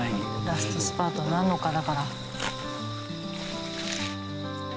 ラストスパートになるのかだから。